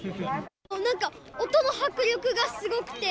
なんか音の迫力がすごくて。